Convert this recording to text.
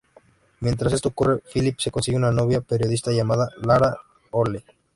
Mientras esto ocurre Phillips se consigue una novia periodista llamada Laura Olney.